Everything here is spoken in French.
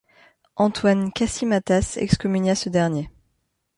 Antoine Cassymatas excommunia ce dernier.